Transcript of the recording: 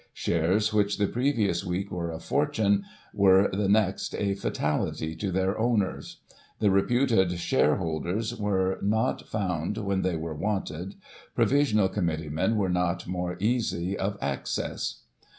Shares which, the previous week, were a fortune, were, the next, a fatality, to their owners. The reputed shareholders were not found when they were wanted ; provisional committeemen were not more easy of access.